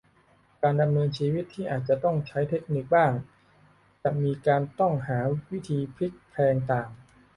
การดำเนินชีวิตที่อาจจะต้องใช้เทคนิคบ้างจะมีการต้องหาวิธีพลิกแพลงต่าง